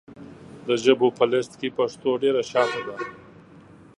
د ژبو په لېسټ کې پښتو ډېره شاته ده .